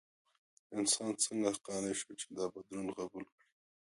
انسان څنګه قانع شو چې دا بدلون قبول کړي؟